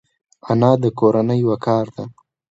انا د کورنۍ وقار ده